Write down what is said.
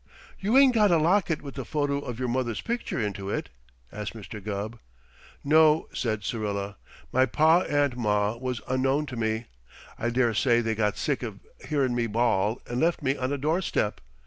"You ain't got a locket with the photo' of your mother's picture into it?" asked Mr. Gubb. "No," said Syrilla. "My pa and ma was unknown to me. I dare say they got sick of hearin' me bawl and left me on a doorstep.